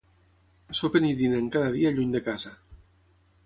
Sopen i dinen cada dia lluny de casa.